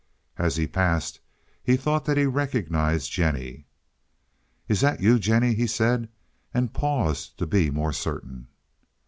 As he passed he thought that he recognized Jennie. "Is that you, Jennie?" he said, and paused to be more certain.